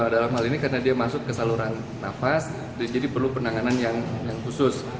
dalam hal ini karena dia masuk ke saluran nafas dan jadi perlu penanganan yang khusus